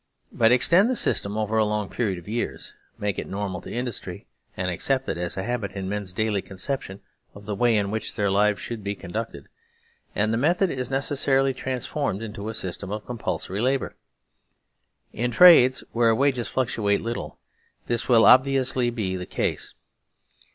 But extend the system over a long period of years, make it normal to in dustry and accepted as a habit in men's daily con ception of the way in which their lives should be con ducted, and the method is necessarily transformed into a system of compulsory labour. In trades where wages fluctuate little this will obviously be the case.